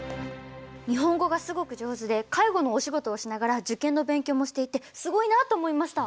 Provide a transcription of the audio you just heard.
日本語がすごく上手で介護のお仕事をしながら受験の勉強もしていてすごいなと思いました。